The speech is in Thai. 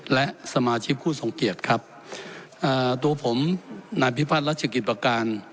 และสมาชิกผู้ทรงเกียจครับอ่าตัวผมนายพิพัฒนรัชกิจประการ